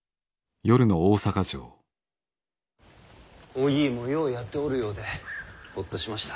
於義伊もようやっておるようでホッとしました。